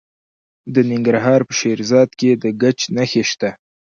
د ننګرهار په شیرزاد کې د ګچ نښې شته.